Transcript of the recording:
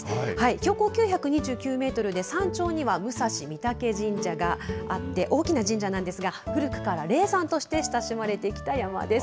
標高９２９メートルで、山頂には武蔵御嶽神社があって、大きな神社なんですが、古くから霊山として親しまれてきた山です。